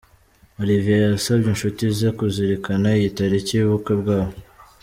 Olivier yasabye inshuti ze kuzirikana iyi taliki y’ubukwe bwabo.